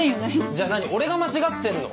じゃあ何俺が間違ってんの？